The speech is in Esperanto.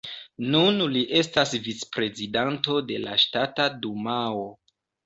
Nun li estas vicprezidanto de la Ŝtata Dumao.